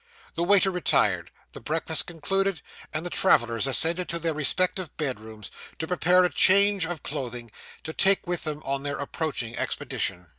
The waiter retired; the breakfast concluded; and the travellers ascended to their respective bedrooms, to prepare a change of clothing, to take with them on their approaching expedition.